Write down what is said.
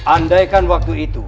andaikan waktu itu